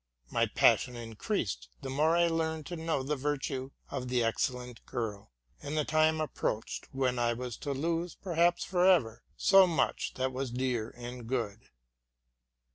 My passion increased the more I learned to know the virtue of the excel lent girl; and the time approached when I was to lose, perhaps forever, so much that was dear and good.